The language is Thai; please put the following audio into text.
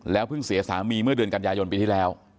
เพิ่งเสียสามีเมื่อเดือนกันยายนปีที่แล้ว